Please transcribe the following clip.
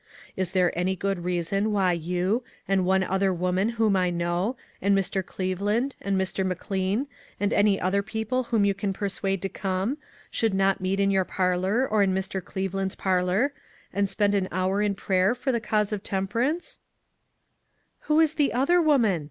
Is there any good reason why you, and one other woman whom I know, and Mr. Cleveland, and Mr. Mc Lean, and any other people whom you can persuade to come, should not meet in your parlor, or in Mr. Cleveland's parlor, and spend an hour in prayer for the cause of temperance ?" SHALL WE TRY? IO5 " Who is the other woman